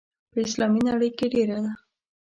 په اسلامي نړۍ کې ډېره ده.